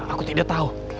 aku tidak tahu